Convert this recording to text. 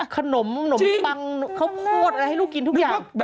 ขนมหนมปังเขาโขดไหล่ให้ลูกกินทุกอย่าง